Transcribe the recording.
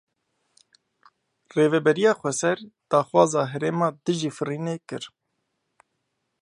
Rêveberiya Xweser daxwaza herêma dijî firînê kir.